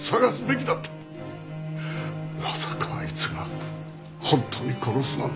まさかあいつが本当に殺すなんて。